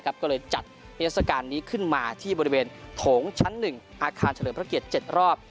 ก็เลยจัดนิทรศการนี้ขึ้นมาที่บริเวณโถงชั้น๑อาคารเฉลิมพระเกียรติ๗รอบ